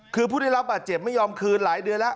คือผู้ได้รับบาดเจ็บไม่ยอมคืนหลายเดือนแล้ว